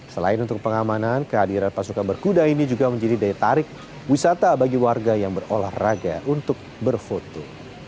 selain untuk pengamanan kehadiran pasukan berkuda ini juga menjadi daya tarik wisata bagi warga yang berolahraga untuk berfoto